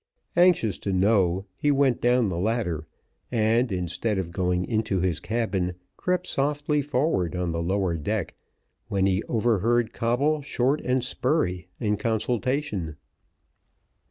Anxious to know, he went down the ladder, and, instead of going into his cabin, crept softly forward on the lower deck, when he overheard Coble, Short, and Spurey in consultation.